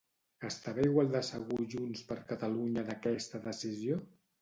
Estava igual de segur Junts per Catalunya d'aquesta decisió?